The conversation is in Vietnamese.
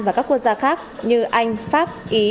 và các quốc gia khác như anh pháp ý